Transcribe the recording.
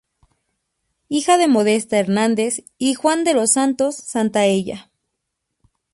Hija de Modesta Hernández y Juan de los Santos Santaella.